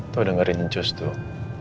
tuh dengerin njus tuh